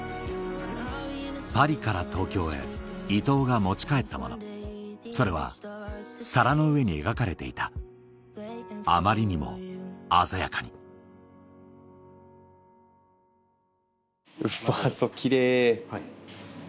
パリから東京へ伊藤が持ち帰ったものそれは皿の上に描かれていたあまりにも鮮やかにうまそキレイ。